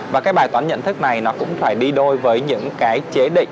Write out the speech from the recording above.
và cái bài toán nhận thức này nó cũng phải đi đôi với những cái chế định